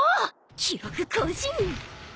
記録更新。